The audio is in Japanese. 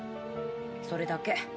それだけ。